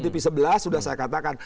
tv sebelas sudah saya katakan